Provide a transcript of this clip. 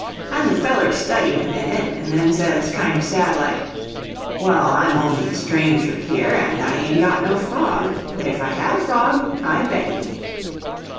And the feller studied a minute, and then says, kinder sad like, "Well, I'm only a stranger here, and I ain't got no frog; but if I had a frog, I'd bet you."